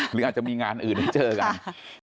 หรืออาจจะมีงานอื่นให้เจอกัน